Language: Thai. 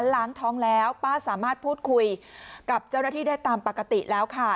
ล้างท้องแล้วป้าสามารถพูดคุยกับเจ้าหน้าที่ได้ตามปกติแล้วค่ะ